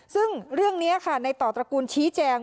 ซึ่งเรื่องนี้ค่ะในต่อตระกูลชี้แจง